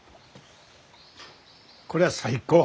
これは最高。